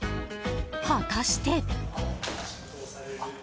果たして。